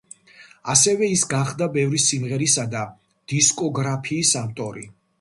ასევე ის გახდა ბევრი სიმღერისა და დისკოგრაფიის ავტორი.